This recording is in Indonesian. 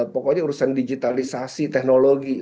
pokoknya urusan digitalisasi teknologi